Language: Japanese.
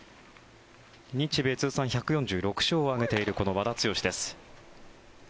日米通算１４６勝を挙げているこの和田毅です。